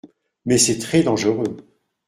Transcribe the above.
Mais c’est très dangereux.